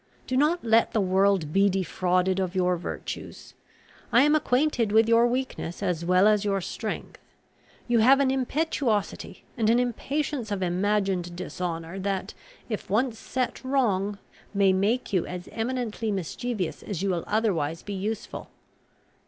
Do not let the world be defrauded of your virtues. I am acquainted with your weakness as well as your strength. You have an impetuosity, and an impatience of imagined dishonour, that, if once set wrong, may make you as eminently mischievous as you will otherwise be useful.